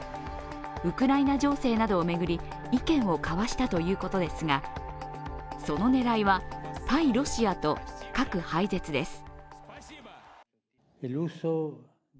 ウクライナ情勢などを巡り、意見を交わしたということですがその狙いは、対ロシアと核廃絶です。